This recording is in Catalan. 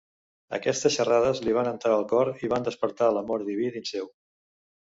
Aquestes xerrades li van entrar al cor i van despertar l'amor diví dins seu.